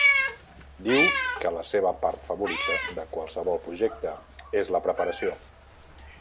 Diu que la seva part favorita de qualsevol projecte és la preparació.